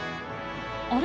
あれ？